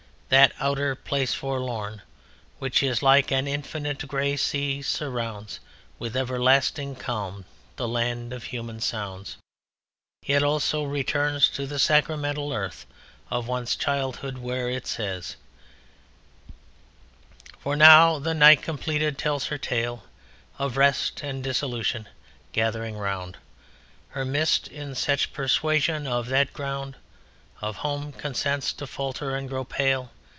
that outer place forlorn Which, like an infinite grey sea, surrounds With everlasting calm the land of human sounds; yet also returns to the sacramental earth of one's childhood where it says: For now the Night completed tells her tale Of rest and dissolution: gathering round Her mist in such persuasion that the ground Of Home consents to falter and grow pale.